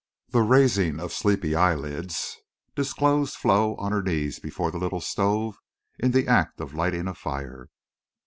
The raising of sleepy eyelids disclosed Flo on her knees before the little stove, in the act of lighting a fire.